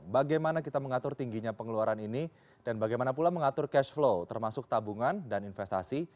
bagaimana kita mengatur tingginya pengeluaran ini dan bagaimana pula mengatur cash flow termasuk tabungan dan investasi